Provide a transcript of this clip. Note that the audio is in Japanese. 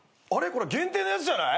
これ限定のやつじゃない？